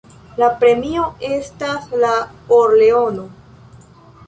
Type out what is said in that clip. La premio estas la or-leono.